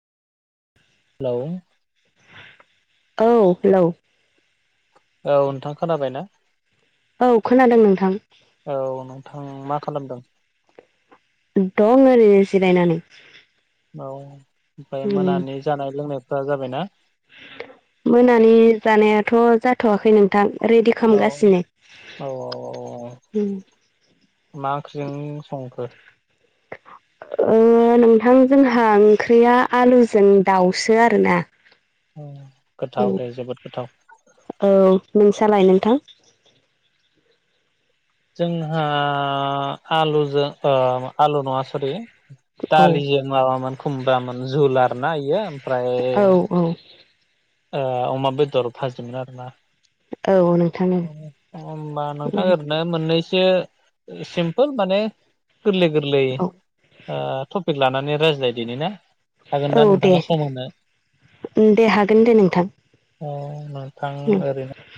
Hello औ, hello. ओ नोंथां खोनाबाय ना? औ, खोनादों नोंथां। औ, नोंथां मा खालामदों? दं, आरो जिरायनानै। औ, ओमफ्राय उम मोनानि जानाय लोंनायफ्रा जाबायना? मोनानि, जानायाथ' जा होथ'वाखै नोंथां, रेडि औ औ औ खालामगासिनो। मा ओंख्रिजों संखो? ओ, नोंथां जोंहा ओंख्रिया आलुजों दाउसो आरोना। गोथाव उम दे जोबोद गोथाव। औ नोंसालाय नोंथां? जोंहा, आलुजों ओ आलु नङा सरि औ दालिजों माबामोन खुमब्रामोन झुल आरोना इयो। ओमफ्राय औ औ। ओ अमा बेदर भाजिमोन आरोना। औ नोंथां औ होनबा नोंथाडां ओरैनो बे मोननैसो सिमपोल माने, गोरलै गोरलै औ ओ टपिक लानानै, रायज्लाय दिनि ना? हागोन दा औ दे, नोंथाङा सम होनो? दे हागोन दे नोंथां। अ नोंथां औ ओरैनो